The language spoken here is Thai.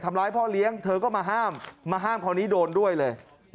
ทำร้ายพ่อเลี้ยงเธอก็มาห้ามมาห้ามคราวนี้โดนด้วยเลย